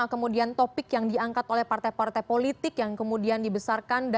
kemudian topik yang diangkat oleh partai partai politik yang kemudian dibesarkan